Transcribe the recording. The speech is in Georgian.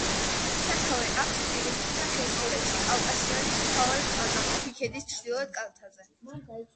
სათავე აქვს პირიქითა ხევსურეთში, კავკასიონის მთავარი წყალგამყოფი ქედის ჩრდილოეთ კალთაზე.